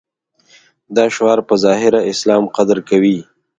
دا شعار په ظاهره اسلام قدر کوي.